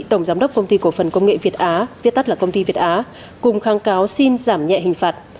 tổng giám đốc công ty cổ phần công nghệ việt á viết tắt là công ty việt á cùng kháng cáo xin giảm nhẹ hình phạt